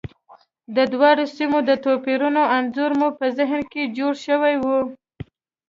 د دواړو سیمو د توپیرونو انځور مو په ذهن کې جوړ شوی وي.